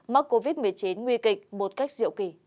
mắc covid một mươi chín nguy kịch một cách diệu kỳ